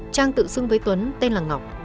trang tự xưng với tuấn tên là ngọc